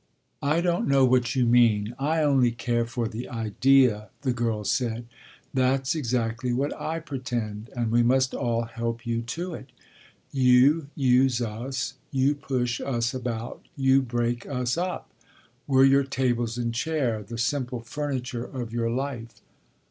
"I don't know what you mean. I only care for the idea," the girl said. "That's exactly what I pretend and we must all help you to it. You use us, you push us about, you break us up. We're your tables and chair, the simple furniture of your life."